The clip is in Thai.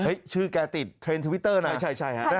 เฮ้ยชื่อแกติดเทรนด์ทวิตเตอร์นะ